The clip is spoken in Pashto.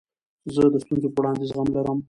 زه د ستونزو په وړاندي زغم لرم.